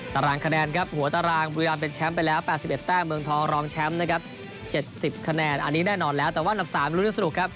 ตารางคะแนนกับเด็กแชมป์ไปแล้ว๘๑แต้มเมืองท้องลองแชมป์๑๖๐คะแนนนี้แน่นอนแล้วแต่ว่าอันดับ๓ลุนยังสนุก